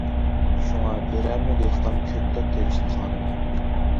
شۇڭا، بىرەرمۇ دېھقان كۆكتات تېرىشنى خالىمىدى.